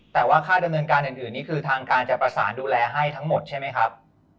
แต่ว่าค่าดำเนินการอื่นนี่คือทางการจะประสานดูแลให้ทั้งหมดใช่ไหมครับ